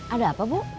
ada apa bu